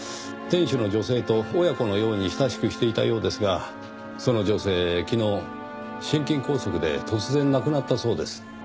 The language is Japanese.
店主の女性と親子のように親しくしていたようですがその女性昨日心筋梗塞で突然亡くなったそうです。